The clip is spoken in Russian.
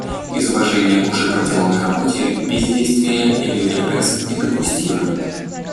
Из уважения к уже проделанной работе бездействие или регресс недопустимы.